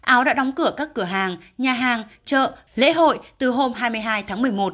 áo đã đóng cửa các cửa hàng nhà hàng chợ lễ hội từ hôm hai mươi hai tháng một mươi một